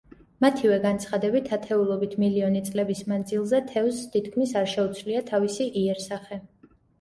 მათივე განცხადებით ათეულობით მილიონი წლების მანძილზე თევზს თითქმის არ შეუცვლია თავისი იერ-სახე.